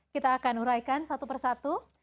kita akan uraikan satu persatu